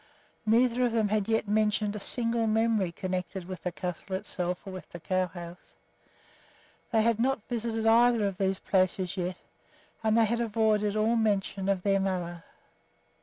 Neither of them had yet mentioned a single memory connected with the castle itself or with the cow house. They had not visited either of these places yet, and they had avoided all mention of their mother.